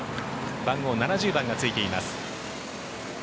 番号、７０番がついています。